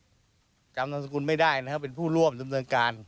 จำนำสกุลไม่ได้นะครับเป็นผู้ร่วมดำเนินการ